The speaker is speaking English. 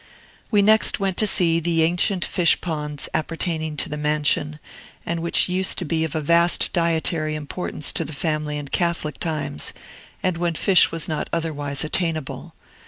We next went to see the ancient fish ponds appertaining to the mansion, and which used to be of vast dietary importance to the family in Catholic times, and when fish was not otherwise attainable.